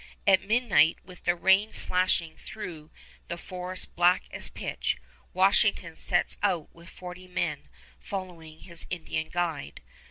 At midnight, with the rain slashing through the forest black as pitch, Washington sets out with forty men, following his Indian guide.